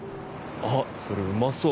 あっそれうまそう！